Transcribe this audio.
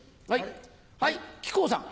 はい木久扇さん。